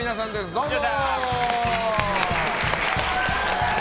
どうぞ！